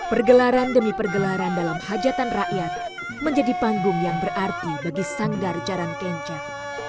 pergelaran demi pergelaran dalam hajatan rakyat menjadi panggung yang berarti bagi sanggar jaran kencat